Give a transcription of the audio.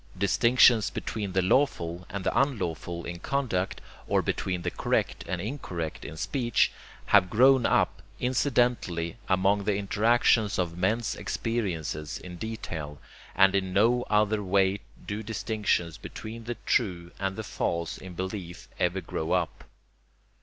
Distinctions between the lawful and the unlawful in conduct, or between the correct and incorrect in speech, have grown up incidentally among the interactions of men's experiences in detail; and in no other way do distinctions between the true and the false in belief ever grow up.